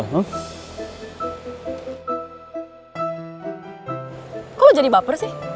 kok jadi baper sih